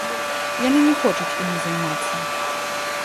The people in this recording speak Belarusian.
Яны не хочуць імі займацца.